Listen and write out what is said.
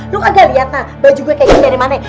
lo gak lihat lah baju gue kayak gini dari mana